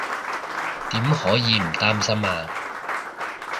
點可以唔擔心啊